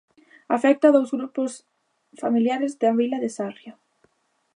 Afecta dous grupos familiares da vila de Sarria.